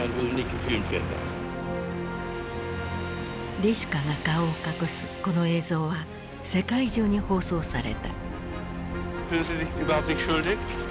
リシュカが顔を隠すこの映像は世界中に放送された。